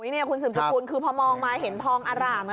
นี่คุณสืบสกุลคือพอมองมาเห็นทองอร่าม